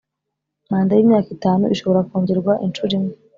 Manda y’imyaka itanu ishobora kongerwa inshuro imwe